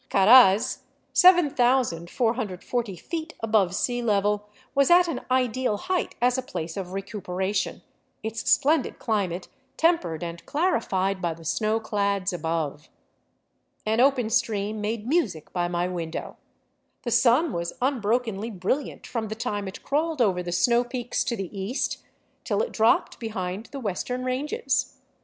Caraz, 7,440 feet above sea level, was at an ideal height as a place of recuperation, its splendid climate tempered and clarified by the snowclads above. An open stream made music by my window ; the sun was unbrokenly brilliant from the time it crawled over the snow peaks to the east till it dropped behind the western ranges.